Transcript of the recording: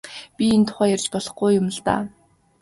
Би энэ тухай ярьж болохгүй юм л даа.